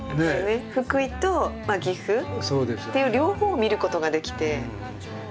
福井と岐阜っていう両方を見ることができて。